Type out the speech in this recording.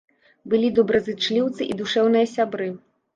Былі добразычліўцы і душэўныя сябры.